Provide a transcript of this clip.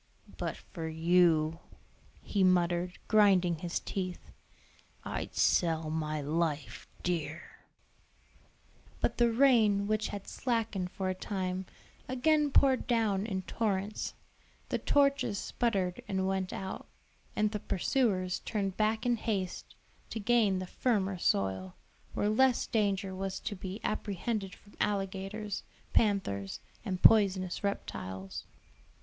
"But for you," he muttered, grinding his teeth, "I'd sell my life dear." But the rain, which had slackened for a time, again poured down in torrents, the torches sputtered and went out, and the pursuers turned back in haste to gain the firmer soil, where less danger was to be apprehended from alligators, panthers, and poisonous reptiles.